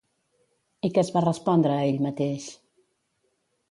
I què es va respondre a ell mateix?